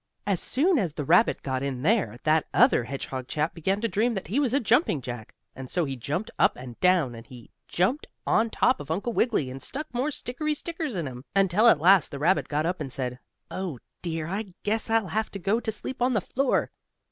As soon as the rabbit got in there that other hedgehog chap began to dream that he was a jumping jack, and so he jumped up and down, and he jumped on top of Uncle Wiggily, and stuck more stickery stickers in him, until at last the rabbit got up and said: "Oh, dear, I guess I'll have to go to sleep on the floor."